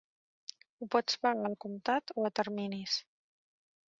Ho pots pagar al comptat o a terminis.